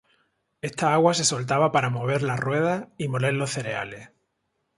Esta agua se soltaba para mover las ruedas y moler los cereales.